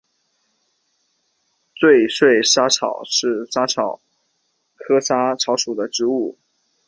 垂穗莎草是莎草科莎草属的植物。